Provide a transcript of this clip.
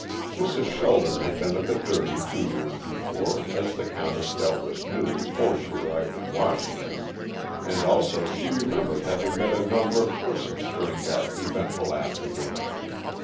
Mrs. Sheldon had been at the Derby two years before, as the countess doubtless knew before she arrived in Washington, and also she remembered having met a number of persons during that eventful afternoon.